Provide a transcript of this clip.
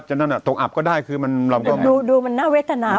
ฉะนั้นอ่ะตกอับก็ได้คือมันดูดูมันหน้าเวทย์ธนามาก